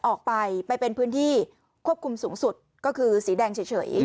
ออกไปไปเป็นพื้นที่ควบคุมสูงสุดก็คือสีแดงเฉย